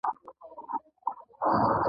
د حکومت ملاتړ اړین دی.